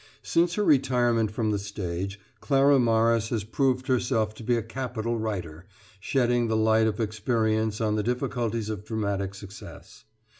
Since her retirement from the stage Clara Morris has proved herself to be a capital writer, shedding the light of experience on the difficulties of dramatic success.